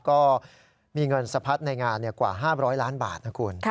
ก็มีเงินสะพัดในงานกว่า๕๐๐ล้านบาทนะคุณ